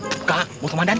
buka mau teman teman